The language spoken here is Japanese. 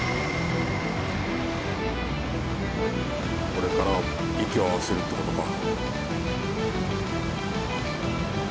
これから息を合わせるって事か。